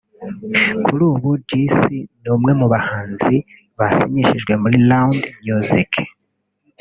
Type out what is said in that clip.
Kuri ubu Jessy ni umwe mu bahanzi basinyishijwe muri Round music